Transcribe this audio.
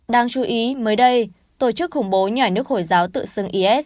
đáng chú ý mới đây tổ chức khủng bố nhà nước hồi giáo tự xưng is